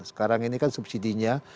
sekarang ini kan subsidi nya